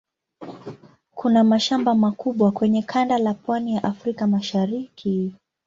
Kuna mashamba makubwa kwenye kanda la pwani ya Afrika ya Mashariki.